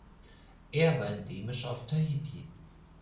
Er war endemisch auf Tahiti.